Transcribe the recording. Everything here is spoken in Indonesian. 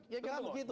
ya kan begitu